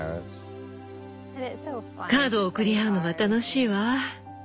カードを送り合うのは楽しいわ。